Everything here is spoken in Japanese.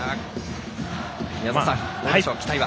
宮澤さん、どうでしょう、期待は。